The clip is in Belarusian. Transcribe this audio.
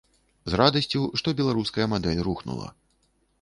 З радасцю, што беларуская мадэль рухнула.